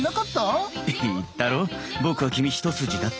言ったろ僕は君一筋だって。